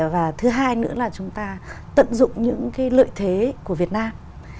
và thứ hai nữa là chúng ta tận dụng những cái lợi thế của việt nam